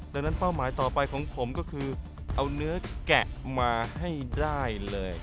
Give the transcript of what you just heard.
ดังนั้นเป้าหมายต่อไปของผมก็คือเอาเนื้อแกะมาให้ได้เลย